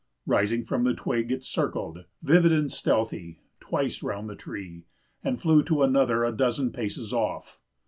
Rising from the twig, it circled, vivid and stealthy, twice round the tree, and flew to another a dozen paces off.